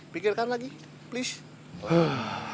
pikirkan lagi please